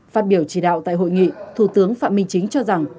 phát biểu chỉ đạo tại hội nghị thủ tướng phạm minh chính cho rằng